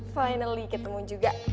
finally ketemu juga